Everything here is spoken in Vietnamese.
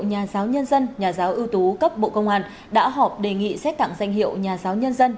nhà giáo nhân dân nhà giáo ưu tú cấp bộ công an đã họp đề nghị xét tặng danh hiệu nhà giáo nhân dân